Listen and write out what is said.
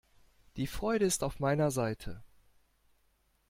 Die Freude ist auf meiner Seite!